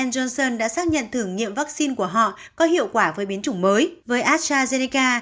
johnson đã xác nhận thử nghiệm vaccine của họ có hiệu quả với biến chủng mới với astrazeneca